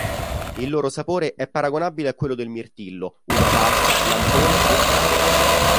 Il loro sapore è paragonabile a quello del mirtillo, uva passa, lampone e fragola.